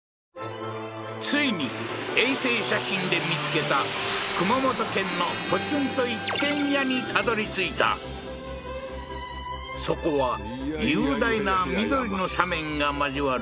ついに衛星写真で見つけた熊本県のそこは雄大な緑の斜面が交わる